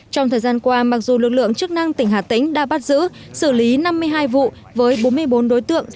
trong thời gian qua mặc dù lực lượng chức năng tỉnh hà tĩnh đã bắt giữ xử lý năm mươi hai vụ với bốn mươi bốn đối tượng